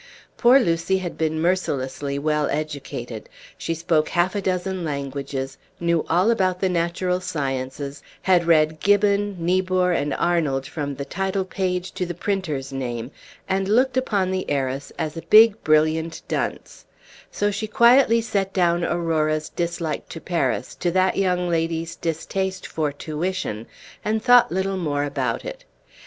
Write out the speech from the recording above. Poor Lucy had been mercilessly well educated; she spoke half a dozen languages, knew all about the natural sciences, had read Gibbon, Niebuhr, and Arnold from the title page to the printer's name, and looked upon the heiress as a big brilliant dunce; so she quietly set down Aurora's dislike to Paris to that young lady's distate for tuition, and thought little more about it.